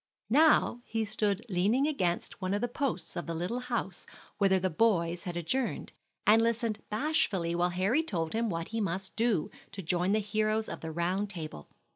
Now he stood leaning against one of the posts of the little house whither the boys had adjourned, and listened bashfully while Harry told him what he must do to join the heroes of the Round Table.